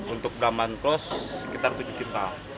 untuk brahman cross sekitar tujuh quintal